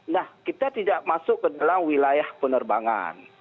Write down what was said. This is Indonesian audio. nah kita tidak masuk ke dalam wilayah penerbangan